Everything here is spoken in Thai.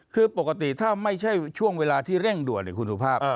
คือปกติถ้าไม่ใช่ช่วงเวลาที่เร่งด่วนคุณสุภาพ